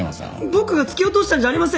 僕が突き落としたんじゃありません！